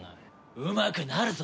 うまくなるぞ！